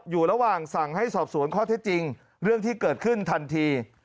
อยู่ระหว่างสั่งให้สอบสวนข้อเท็จจริงเรื่องที่เกิดขึ้นทันที